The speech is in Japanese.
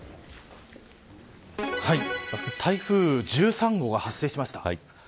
台風１３号が発生しました。